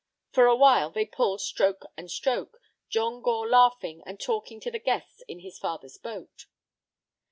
For a while they pulled stroke and stroke, John Gore laughing and talking to the guests in his father's boat.